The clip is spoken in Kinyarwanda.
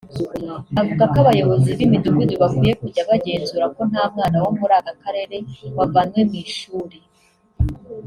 Avuga ko abayobozi b’imidugudu bakwiye kujya bagenzura ko nta mwana wo muri aka karere wavanywe mu ishuri